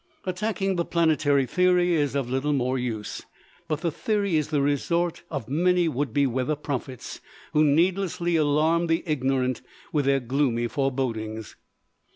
Attacking the planetary theory is of little more use. But the theory is the resort of many would be weather prophets, who needlessly alarm the ignorant with their gloomy forebodings.